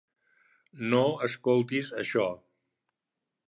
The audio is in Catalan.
No escoltis això.